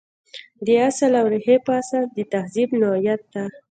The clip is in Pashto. د اصل او ریښې په اساس د تهذیب نوعیت ته.